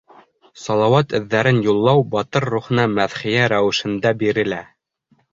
Салауат эҙҙәрен юллау батыр рухына мәҙхиә рәүешендә бирелә.